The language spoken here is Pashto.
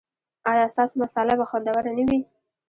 ایا ستاسو مصاله به خوندوره نه وي؟